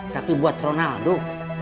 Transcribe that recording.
tapi buat ronaldo